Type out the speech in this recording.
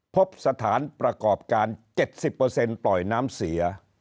พบสถานประกอบการ๗๐ปล่อยน้ำเสีย